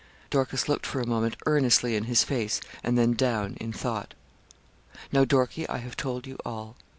Dorcas looked for a moment earnestly in his face, and then down, in thought. 'Now, Dorkie, I have told you all.